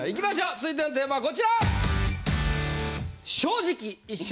続いてのテーマはこちら！